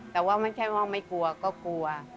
แต่ว่าไม่ใช่ว่าไม่กลัวก็กลัว